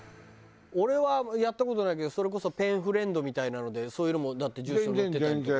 俺はやった事ないけどそれこそペンフレンドみたいなのでそういうのもだって住所載ってたりとかね。